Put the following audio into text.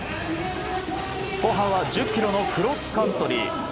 後半は１０キロのクロスカントリー。